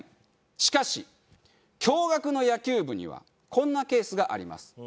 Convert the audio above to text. しかし共学の野球部にはこんなケースがあります。